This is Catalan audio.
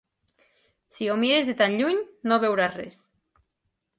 Si ho mires de tan lluny, no veuràs res.